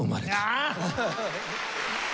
ああ！